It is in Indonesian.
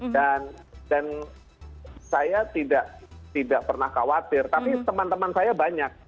saya tidak pernah khawatir tapi teman teman saya banyak